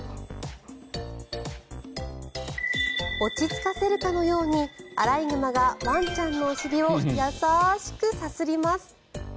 落ち着かせるかのようにアライグマがワンちゃんのお尻を優しくさすります。